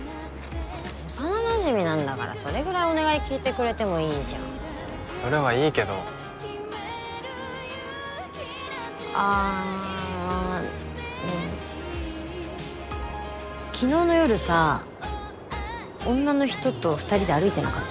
幼なじみなんだからそれぐらいお願い聞いてくれてもいいじゃんそれはいいけどあの昨日の夜さ女の人と二人で歩いてなかった？